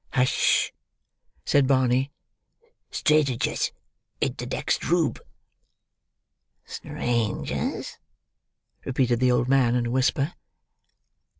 "Hush!" said Barney: "stradegers id the next roob." "Strangers!" repeated the old man in a whisper.